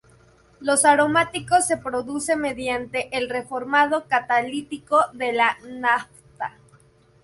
Los aromáticos se producen mediante el reformado catalítico de la nafta.